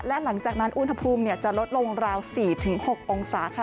และหลังจากนั้นอุณหภูมิจะลดลงราว๔๖องศาค่ะ